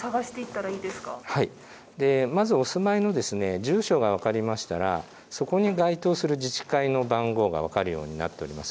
お住まいの住所が分かったらそこに該当する自治会の番号が分かるようになっております。